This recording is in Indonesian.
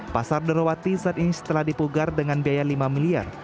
pasar derawati saat ini setelah dipugar dengan biaya lima miliar